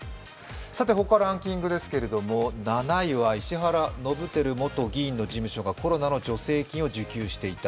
他のランキングですけれども、７位は石原伸晃元議員の事務所がコロナの助成金を受給していた。